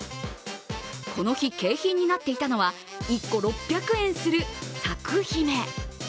この日、景品になっていたのは１個６００円する、さくひめ。